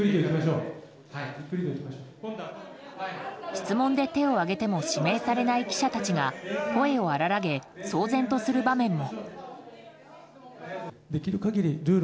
質問で手を上げても指名されない記者たちが声を荒らげ、騒然とする場面も。